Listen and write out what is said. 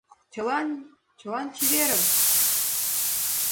Чылан чеверын!